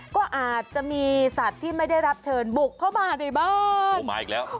ก็อาจจะมีสัตว์ที่ไม่ได้รับเชิญบุกเข้ามาในบ้าน